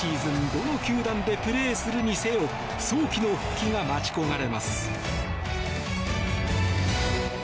どの球団でプレーするにせよ早期の復帰が待ち焦がれます。